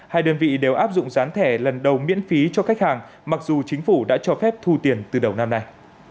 hai đơn vị đều áp dụng gián thẻ lần đầu miễn phí cho khách hàng mặc dù chính phủ đã cho phép thu tiền từ đầu năm nay